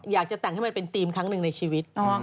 อยากจะแต่งให้มันเป็นธีมครั้งหนึ่งในชีวิต